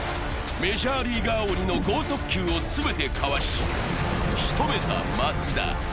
メジャーリーガー鬼の剛速球を全てかわし、しとめた松田。